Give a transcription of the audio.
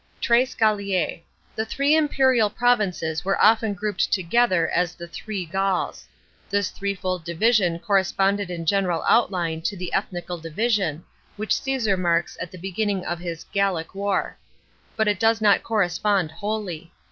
Tres Oallios. The three imperial provinces were often grouped together as the " three Gauls." This threefold division corresponded in general outline to the ethnical division, which Cassar marks at the beginning of his " Gallic War." But it does not correspond wholly.